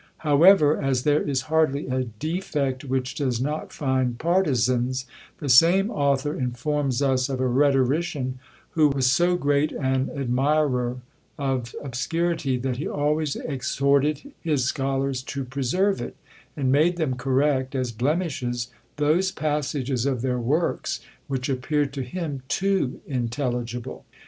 However, as there is hardly a defect which does not find partisans, the same author informs us of a rhetorician, who was so great an admirer of obscurity, that he always exhorted his scholars to preserve it; and made them correct, as blemishes, those passages of their works which appeared to him too intelligible.